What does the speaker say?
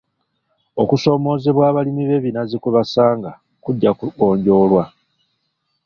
Okusoomoozebwa abalimi b'ebinazi kwe basanga kujja kugonjoolwa.